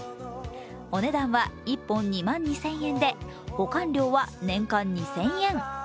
お値段は１本２万２０００円で保管料は年間２０００円